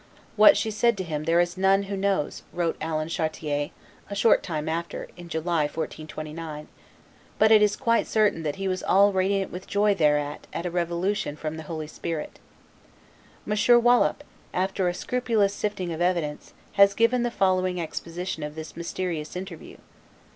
"What she said to him there is none who knows," wrote Alan Chartier, a short time after [in July, 1429], "but it is quite certain that he was all radiant with joy thereat as at a revelation from the Holy Spirit." M. Wallop, after a scrupulous sifting of evidence, has given the following exposition of this mysterious interview.